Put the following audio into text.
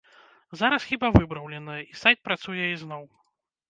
Зараз хіба выпраўленая, і сайт працуе ізноў.